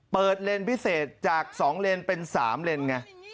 เปิดเลนพิเศษจากสองเลนเป็นสามเลน